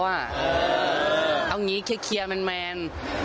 เพราะว่าเอาอย่างงี้เครียร์แมน